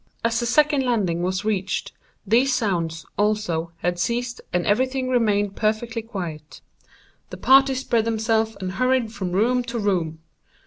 As the second landing was reached, these sounds, also, had ceased and everything remained perfectly quiet. The party spread themselves and hurried from room to room.